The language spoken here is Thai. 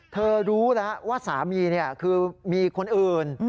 รู้แล้วว่าสามีคือมีคนอื่น